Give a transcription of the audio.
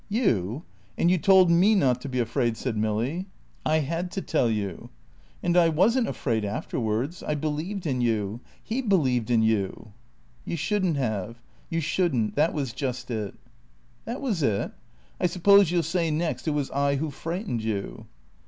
"You? And you told me not to be afraid," said Milly. "I had to tell you." "And I wasn't afraid afterwards. I believed in you. He believed in you." "You shouldn't have. You shouldn't. That was just it." "That was it? I suppose you'll say next it was I who frightened you?"